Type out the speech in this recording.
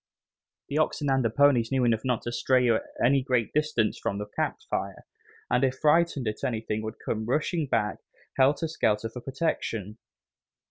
The oxen and the ponies knew enough not to stray any great distance from the campfire, and if frightened at anything would come rushing back, helter skelter, for protection.